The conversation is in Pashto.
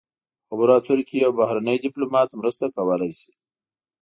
په خبرو اترو کې یو بهرنی ډیپلومات مرسته کولی شي